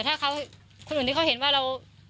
ถ้าคนอื่นที่เขาเห็นว่าเรา